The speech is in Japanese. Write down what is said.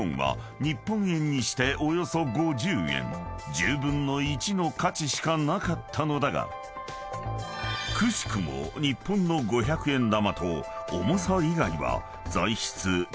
［１０分の１の価値しかなかったのだが［くしくも日本の５００円玉と重さ以外は材質・直径が同じ］